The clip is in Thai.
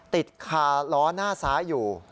ติดคาล้อหน้าซ้ายอยู่